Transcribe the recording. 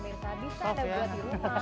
bisa ada juga di rumah